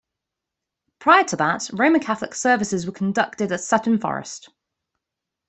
Prior to that, Roman Catholic services were conducted at Sutton Forest.